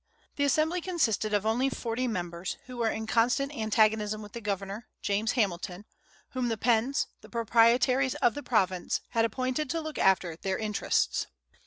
The Assembly consisted of only forty members, who were in constant antagonism with the governor, James Hamilton, whom the Penns, the Proprietaries of the province, had appointed to look after their interests.